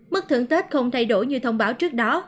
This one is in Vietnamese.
mức thưởng tết không thay đổi như thông báo trước đó